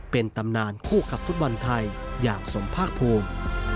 เป็นตำนานคู่กับฟุตบอลไทยอย่างสมภาคภูมิ